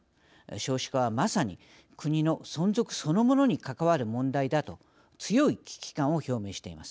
少子化は、まさに国の存続そのものに関わる問題だと強い危機感を表明しています。